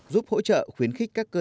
giúp hỗ trợ khuyến khích các cơ sở